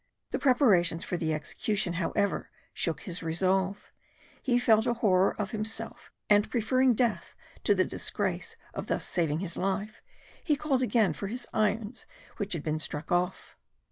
The preparations for the execution however, shook his resolution; he felt a horror of himself, and preferring death to the disgrace of thus saving his life, he called again for his irons which had been struck off.